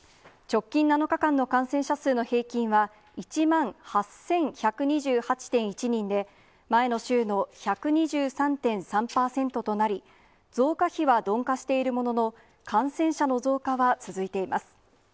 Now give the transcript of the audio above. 直近７日間の感染者数の平均は１万８１２８．１人で、前の週の１２３．３％となり、増加比は鈍化しているものの、感染者の増加は続いています。